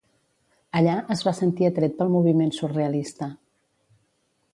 Allà, es va sentir atret pel moviment surrealista.